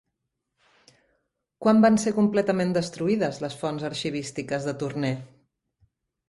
Quan van ser completament destruïdes les fonts arxivístiques de Tournai?